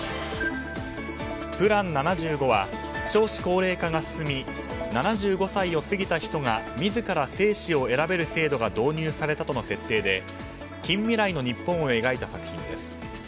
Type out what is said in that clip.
「ＰＬＡＮ７５」は少子高齢化が進み７５歳を過ぎた人が自ら生死を選べる制度が導入されたとの設定で近未来の日本を描いた作品です。